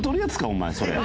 お前それ。